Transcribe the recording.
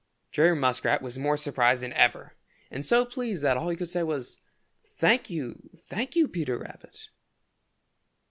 Jerry Muskrat was more surprised than ever and so pleased that all he could say was, "Thank you, thank you, Peter Rabbit!"